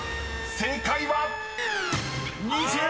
［正解は⁉］